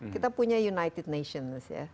kita punya united nations ya